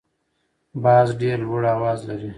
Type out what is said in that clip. باز ډیر لوړ اواز لري